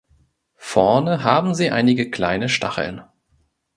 Vorne haben sie einige kleine Stacheln.